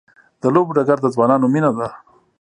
د لوبو ډګر د ځوانانو مینه ده.